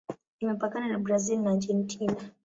Imepakana na Brazil na Argentina.